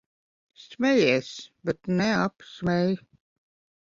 Smejies, bet neapsmej.